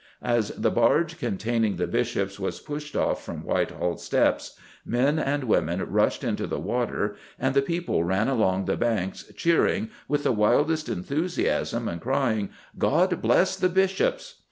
As the barge containing the Bishops was pushed off from Whitehall Steps, "men and women rushed into the water and the people ran along the banks cheering with the wildest enthusiasm, and crying, 'God bless the Bishops!